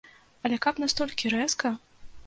Але каб настолькі рэзка?